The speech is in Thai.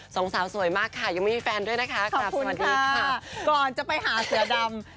สองสาวสวยมากค่ะยังไม่มีแฟนด้วยนะคะค่ะสวัสดีค่ะก่อนจะไปหาเสือดำ